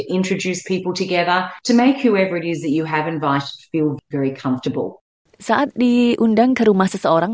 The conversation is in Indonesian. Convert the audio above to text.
untuk membuat semuanya tergantung untuk memiliki minuman yang siap untuk dipotong